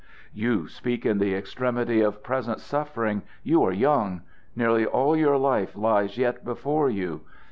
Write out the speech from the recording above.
"You speak in the extremity of present suffering. You are young. Nearly all your life lies yet before you.